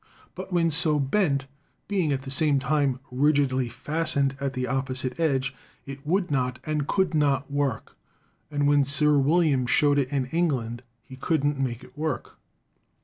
But when so bent, being at the same time rigidly fastened at the op posite edge, it would not and could not work; and when Sir William showed it in England he couldn't make it work.'